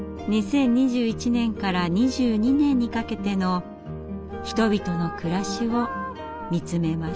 ２０２１年から２２年にかけての人々の暮らしを見つめます。